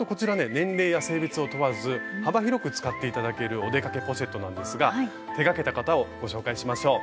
年齢や性別を問わず幅広く使って頂ける「お出かけポシェット」なんですが手がけた方をご紹介しましょう。